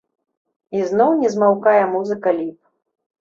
І зноў не змаўкае музыка ліп.